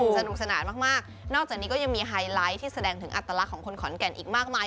สนุกสนานมากนอกจากนี้ก็ยังมีไฮไลท์ที่แสดงถึงอัตลักษณ์ของคนขอนแก่นอีกมากมาย